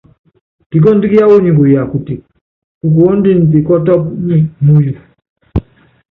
Kikɔ́ndú kíáwɔ nyi kuya kuteke, kukuɔndini pikɔtɔ́pɔ nyi muyu.